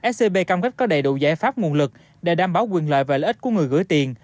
scb cam kết có đầy đủ giải pháp nguồn lực để đảm bảo quyền lợi và lợi ích của người gửi tiền